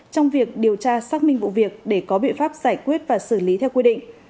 trong việc điều tra xác minh vụ việc để có biện pháp giải quyết và xử lý theo quy định